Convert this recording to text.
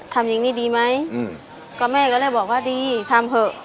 กะแม่ก็เลยบอกว่าดีทำเหอะ